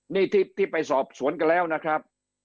นี่ที่ไปสอบสวนกันแล้วนะครับ